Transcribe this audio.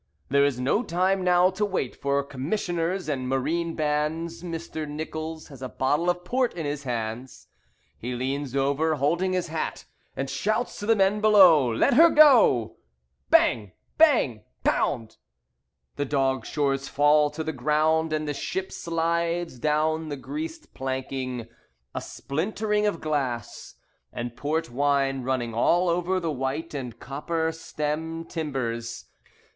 There is no time now to wait for Commissioners and marine bands. Mr. Nichols has a bottle of port in his hands. He leans over, holding his hat, and shouts to the men below: "Let her go!" Bang! Bang! Pound! The dog shores fall to the ground, And the ship slides down the greased planking. A splintering of glass, And port wine running all over the white and copper stem timbers.